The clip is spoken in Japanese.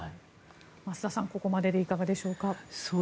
増田さん、ここまででいかがでしょうか。